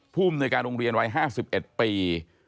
ภูมิในการโรงเรียนวัย๕๑ปี